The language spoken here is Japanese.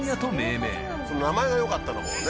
名前がよかったのかもね。